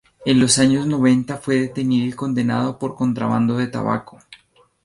En los años noventa fue detenido y condenado por contrabando de tabaco.